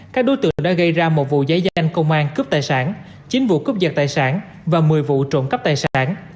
các đối tượng đã gây ra một vụ giấy danh công an cướp tài sản chín vụ cướp giật tài sản và một mươi vụ trộm cắp tài sản